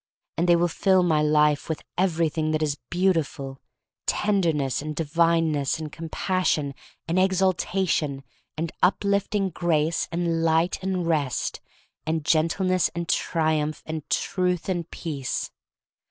And they will fill my life with every thing that is beautiful — tenderness, and divineness, and compassion, and exalta tion, and uplifting grace, and light, and rest, and gentleness, and triumph, and truth, and peace.